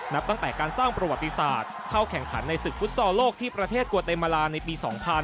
นับตั้งแต่การสร้างประวัติศาสตร์เข้าแข่งขันในศึกฟุตซอลโลกที่ประเทศกัวเตมาลาในปี๒๕๕๙